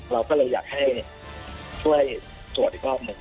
เราก็เลยอยากให้ช่วยตรวจอีกรอบหนึ่ง